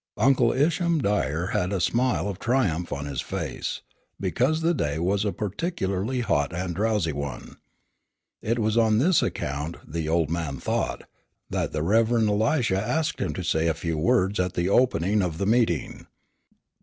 Uncle Isham Dyer had a smile of triumph on his face, because the day was a particularly hot and drowsy one. It was on this account, the old man thought, that the Rev. Elisha asked him to say a few words at the opening of the meeting.